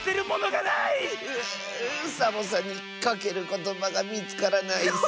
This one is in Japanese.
うサボさんにかけることばがみつからないッス。